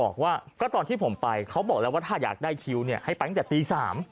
บอกว่าก็ตอนที่ผมไปเขาบอกแล้วว่าถ้าอยากได้คิวเนี่ยให้ไปตั้งแต่ตี๓